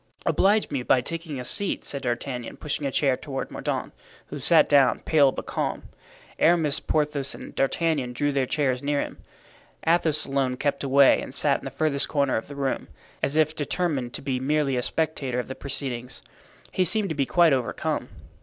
"Oblige me by taking a seat," said D'Artagnan, pushing a chair toward Mordaunt, who sat down, pale but calm. Aramis, Porthos and D'Artagnan drew their chairs near him. Athos alone kept away and sat in the furthest corner of the room, as if determined to be merely a spectator of the proceedings. He seemed to be quite overcome.